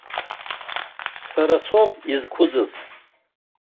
Сара соуп изқәыӡыз.